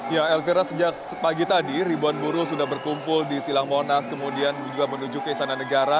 ya elvira sejak pagi tadi ribuan buruh sudah berkumpul di silang monas kemudian juga menuju ke istana negara